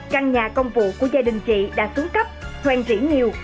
căn nhà công vụ của gia đình chị đã xuống cấp hoàn chỉ nhiều